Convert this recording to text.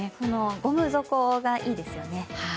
ゴム底がいいですよね。